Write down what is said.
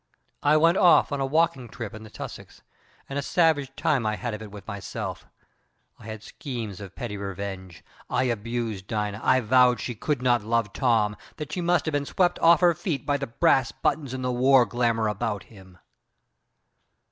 I went off on a walking trip in the Trossachs, and a savage time I had of it with myself; I had schemes of petty revenge; I abused Dina; I vowed she could not love Tom; that she must have been swept off her feet by the brass buttons and the war glamour about him.